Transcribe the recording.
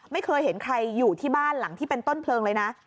ไม่เคยเห็นใครอยู่ที่บ้านหลังที่เป็นต้นเพลิงเลยนะ